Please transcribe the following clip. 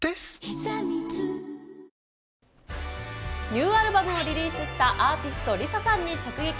ニューアルバムをリリースしたアーティスト、ＬｉＳＡさんに直撃。